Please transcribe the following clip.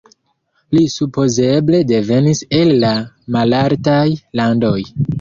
Li supozeble devenis el la Malaltaj Landoj.